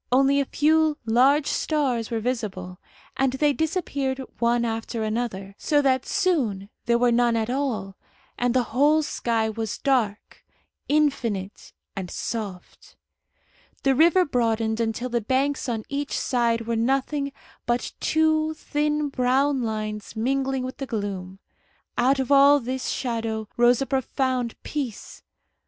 Only a few large stars were visible, and they disappeared one after another, so that soon there were none at all, and the whole sky was dark, infinite, and soft. The river broadened until the banks on each side were nothing but two thin brown lines mingling with the gloom. Out of all this shadow rose a profound peace.